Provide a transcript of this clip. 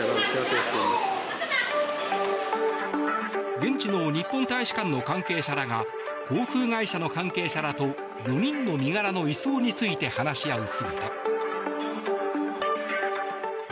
現地の日本大使館の関係者らが航空会社の関係者らと４人の身柄の移送について話し合う姿。